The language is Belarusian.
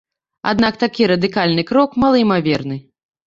Аднак такі радыкальны крок малаімаверны.